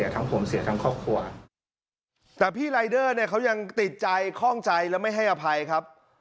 ติดใจคล่องใจแล้วไม่ให้อภัยครับ